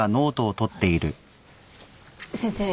先生。